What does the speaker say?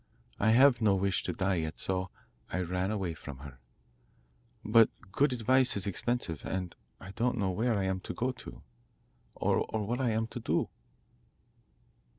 I have no wish to die yet, so I ran away from her; but good advice is expensive, and I don't know where I am to go to, or what I am to do.